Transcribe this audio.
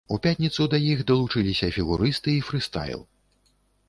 У пятніцу да іх далучыліся фігурысты і фрыстайл.